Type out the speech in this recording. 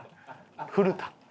古田。